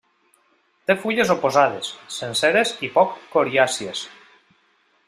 Té fulles oposades, senceres i poc coriàcies.